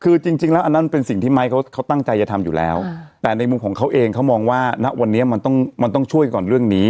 คือจริงแล้วอันนั้นเป็นสิ่งที่ไม้เขาตั้งใจจะทำอยู่แล้วแต่ในมุมของเขาเองเขามองว่าณวันนี้มันต้องมันต้องช่วยก่อนเรื่องนี้